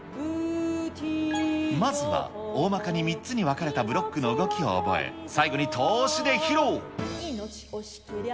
まずは大まかに３つに分かれたブロックの動きを覚え、最後に通しで披露。